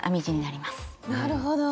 なるほど。